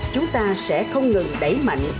chúng ta sẽ không ngừng đẩy mạnh